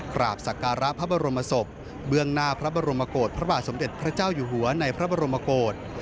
กราบสักการะพระบรมศพเบื้องหน้าพระบรมโกรธพระบาทสมเด็จพระเจ้าอยู่หัวในพระบรมโกศ